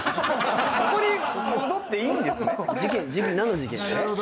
そこに戻っていいんですね！？何の事件？